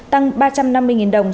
tăng ba trăm năm mươi đồng